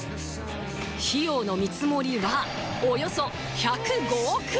費用の見積もりはおよそ１０５億円！